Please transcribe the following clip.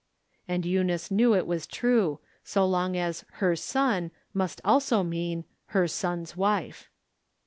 And Eunice knew it was true, so long as " her son " must also mean " her son's wife."